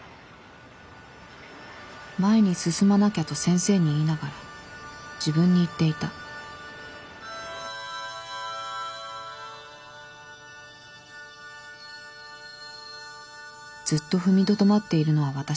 前に進まなきゃと先生に言いながら自分に言っていたずっと踏みとどまっているのは私だ。